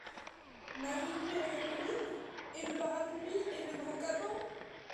Mère Ubu Et la capeline ? et le parapluie ? et le grand caban ?